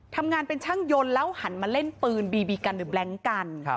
ทำงานเป็นช่างยนต์แล้วหันมาเล่นปืนบีบีกันหรือแบล็งกัน